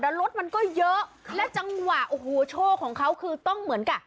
แล้วรถมันก็เยอะและจังหวะโอ้โหโชคของเขาคือต้องเหมือนกับ